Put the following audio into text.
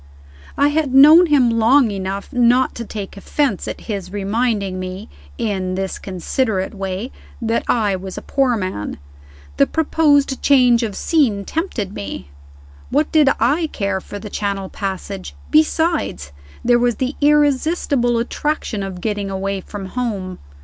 I had known him long enough not to take offense at his reminding me, in this considerate way, that I was a poor man. The proposed change of scene tempted me. What did I care for the Channel passage? Besides, there was the irresistible attraction of getting away from home.